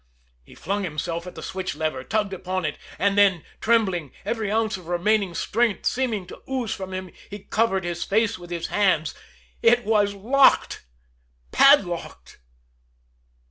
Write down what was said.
He flung himself at the switch lever, tugged upon it and then, trembling, every ounce of remaining strength seeming to ooze from him, he covered his face with his hands. It was locked padlocked.